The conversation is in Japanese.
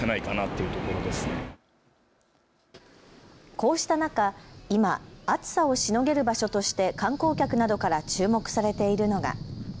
こうした中、今、暑さをしのげる場所として観光客などから注目されているのが。